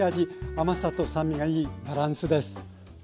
甘さと酸味がいいバランスです。